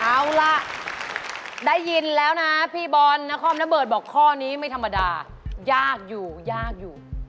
เอาล่ะได้ยินแล้วนะพี่บอลนครนเบิร์ตบอกข้อนี้ไม่ธรรมดายากอยู่ยากอยู่